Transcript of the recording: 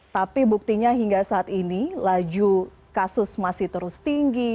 tapi buktinya hingga saat ini laju kasus masih terus tinggi